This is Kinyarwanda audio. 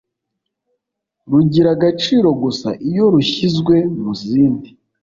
rugira agaciro gusa iyo rushyizwe muzindi